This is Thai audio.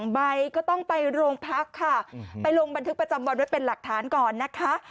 ใบก็ต้องไปโรงพักค่ะไปลงบันทึกประจำวันไว้เป็นหลักฐานก่อนนะคะ